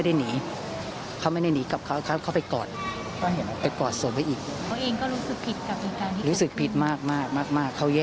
และไม่ได้หนีกับเค้าก่อดส่วนอีก